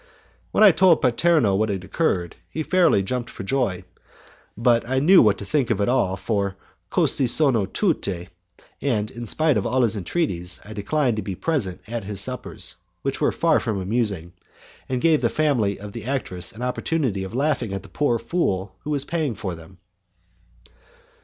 When I told Paterno what had occurred, he fairly jumped for joy, but I knew what to think of it all, for 'cosi sono tutte', and in spite of all his entreaties, I declined to be present at his suppers, which were far from amusing, and gave the family of the actress an opportunity of laughing at the poor fool who was paying for them.